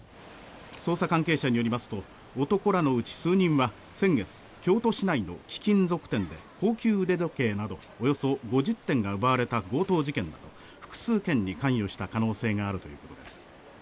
捜査関係者によりますと男らのうち数人は先月、京都市内の貴金属店で高級腕時計などおよそ５０点が奪われた強盗事件など複数件に関与した可能性があるということです。